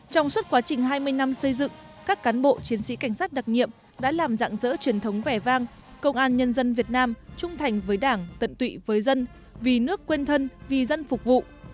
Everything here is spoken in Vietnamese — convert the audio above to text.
trong suốt quá trình hai mươi năm xây dựng các cán bộ chiến sĩ cảnh sát đặc nhiệm đã làm dạng dỡ truyền thống vẻ vang công an nhân dân việt nam trung thành với đảng tận tụy với dân vì nước quên thân vì dân phục vụ